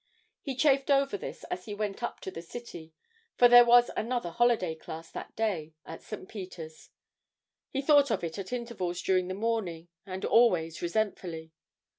He chafed over this as he went up to the City, for there was another holiday class that day at St. Peter's; he thought of it at intervals during the morning, and always resentfully.